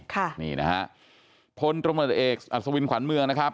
ค่ะนี่นะฮะพลตำรวจเอกอัศวินขวัญเมืองนะครับ